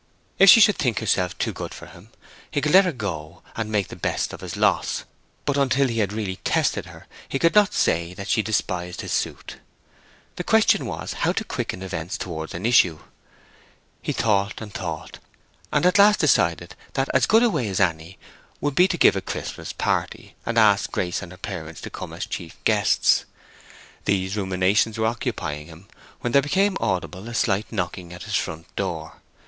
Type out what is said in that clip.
If she should think herself too good for him, he could let her go and make the best of his loss; but until he had really tested her he could not say that she despised his suit. The question was how to quicken events towards an issue. He thought and thought, and at last decided that as good a way as any would be to give a Christmas party, and ask Grace and her parents to come as chief guests. These ruminations were occupying him when there became audible a slight knocking at his front door.